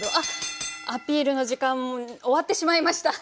アピールの時間終わってしまいました。